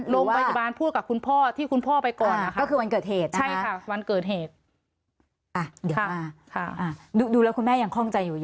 หรือว่าโรงพยาบาลพูดกับคุณพ่อที่คุณพ่อไปก่อน